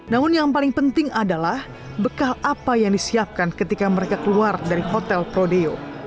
namun yang paling penting adalah bekal apa yang disiapkan ketika mereka keluar dari hotel prodeo